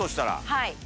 はい。